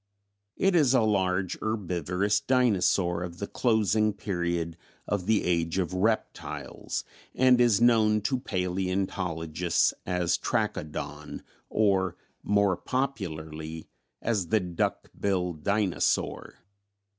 It is a large herbivorous dinosaur of the closing period of the Age of Reptiles and is known to palaeontologists as Trachodon or more popularly as the 'duck billed dinosaur.'